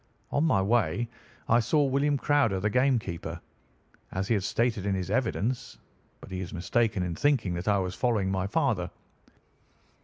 On my way I saw William Crowder, the game keeper, as he had stated in his evidence; but he is mistaken in thinking that I was following my father.